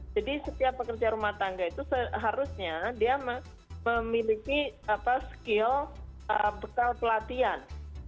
jadi setiap pekerja rumah tangga itu seharusnya dia memiliki skill bekal pelatihan